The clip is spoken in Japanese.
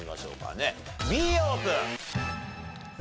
Ｂオープン！